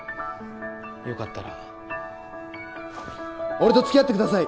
良かったら俺と付き合ってください！